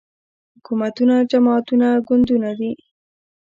حکومتونه جماعتونه ګوندونه دي